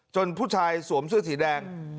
ผู้ชายสวมเสื้อสีแดง